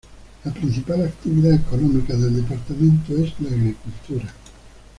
La principal actividad económica del departamento es la agricultura.